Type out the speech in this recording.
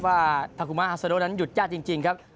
ว่าทากุมาฮาซาโดนั้นหยุดยากจริงครับ